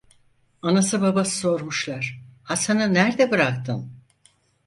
Anası babası sormuşlar: 'Hasan'ı nerde bıraktın?'